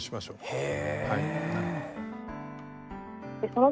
へえ。